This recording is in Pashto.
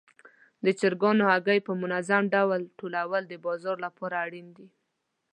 د چرګانو هګۍ په منظم ډول ټولول د بازار لپاره اړین دي.